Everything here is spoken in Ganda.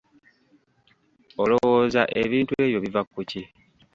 Olowooza ebintu ebyo biva ku ki?